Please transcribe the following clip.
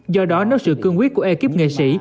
do đó nếu sự cương quyết của ekip nghệ sĩ